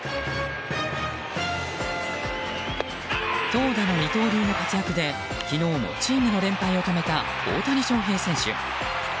投打の二刀流の活躍で昨日もチームの連敗を止めた大谷翔平選手。